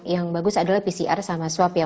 yang bagus adalah pcr sama swab ya